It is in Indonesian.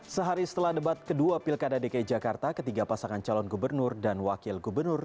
sehari setelah debat kedua pilkada dki jakarta ketiga pasangan calon gubernur dan wakil gubernur